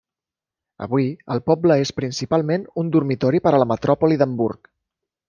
Avui, el poble és principalment un dormitori per a la metròpoli d'Hamburg.